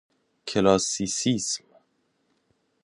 کلاسیسیسم